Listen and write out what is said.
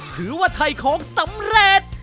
ถือว่าถ่ายของสำเร็จ